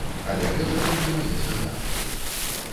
Але гэта толькі мае здагадкі.